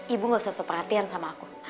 ibu gak usah suka perhatian sama aku